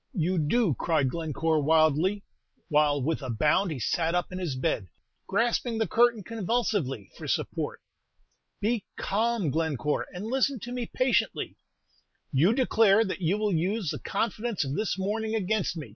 "You do!" cried Glencore, wildly, while with a bound he sat up in his bed, grasping the curtain convulsively for support. "Be calm, Glencore, and listen to me patiently." "You declare that you will use the confidence of this morning against me!"